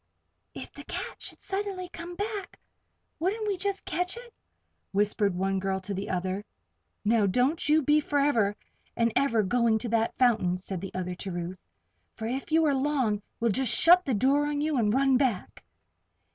"If the cat should suddenly come back, wouldn't we just catch it?" whispered one girl to the other. "Now, don't you be forever and ever going to that fountain," said the other to Ruth. "For if you are long, we'll just shut the door on you and run back."